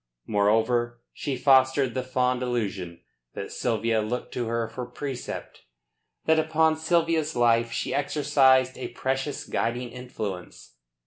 Moreover, she fostered the fond illusion that Sylvia looked to her for precept, that upon Sylvia's life she exercised a precious guiding influence.